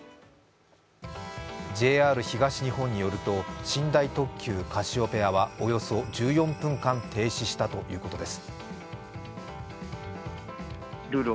ＪＲ東日本によると、寝台特急カシオペアはおよそ１４分間停車したということです。